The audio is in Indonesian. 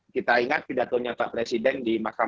kita ingat pidatonya pak presiden di masjid jokowi